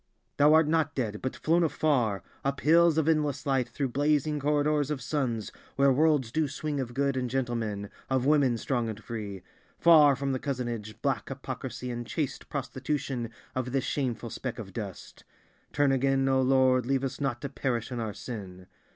Thou art not dead, but flown afar, up hills of endless light, thru blazing corridors of suns, where worlds do swing of good and gentle men, of women strong and free—far from the cozenage, black hypocrisy and chaste prostitution of this shameful speck of dust! Turn again, O Lord, leave us not to perish in our sin!